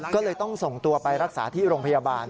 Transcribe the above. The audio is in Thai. ก็เลยต้องส่งตัวไปรักษาที่โรงพยาบาล